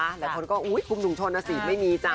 หลายคนก็คุมถุงชนนะสิไม่มีจ้ะ